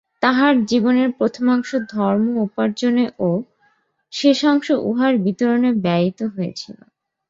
তাঁহার জীবনের প্রথমাংশ ধর্ম-উপার্জনে ও শেষাংশ উহার বিতরণে ব্যয়িত হইয়াছিল।